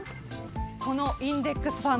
このインデックスファンド。